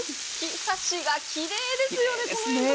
サシがきれいですよね。